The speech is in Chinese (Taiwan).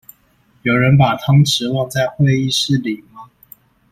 有人把湯匙忘在會議室裡嗎？